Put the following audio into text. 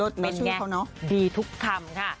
ดีทุกคำค่ะ